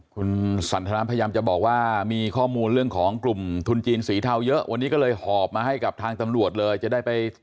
คุณสันทนาบพยมบัทยมจะบอกว่ามีข้อมูลเรื่องของกลุ่มทุนจีนสีเทาเยอะ